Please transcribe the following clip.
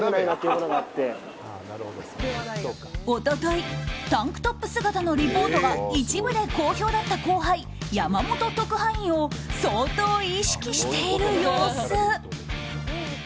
一昨日タンクトップ姿のリポートが一部で好評だった後輩山本特派員を相当、意識している様子。